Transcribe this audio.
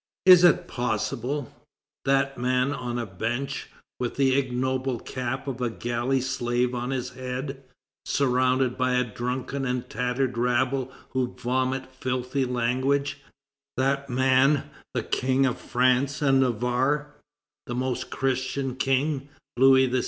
Is it possible? That man on a bench, with the ignoble cap of a galley slave on his head, surrounded by a drunken and tattered rabble who vomit filthy language, that man the King of France and Navarre, the most Christian King, Louis XVI.?